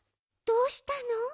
どうしたの？